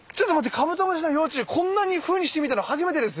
カブトムシの幼虫こんなふうにして見たの初めてです。